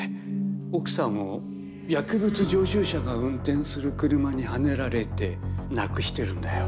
奥さんを薬物常習者が運転する車にはねられて亡くしてるんだよ。